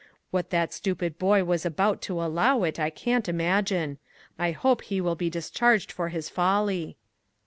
What that stupid boy was about to allow it, I can't imagine. I hope he will be discharged for his folly."